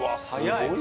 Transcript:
すごい！